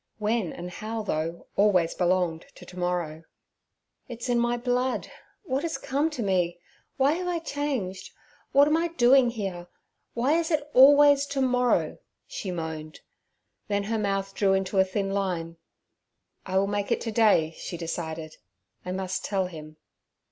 When and how, though, always belonged to to morrow. 'It's in my blood. What has come to me? Why have I changed? What am I doing here? Why is it always to morrow?' she moaned. Then her mouth drew into a thin line. 'I will make it to day' she decided; 'I must tell him.'